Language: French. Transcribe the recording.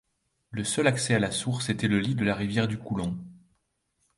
Le seul accès à la source était le lit de la rivière du Coulomp.